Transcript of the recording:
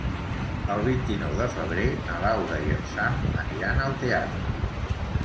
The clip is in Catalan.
El vint-i-nou de febrer na Laura i en Sam aniran al teatre.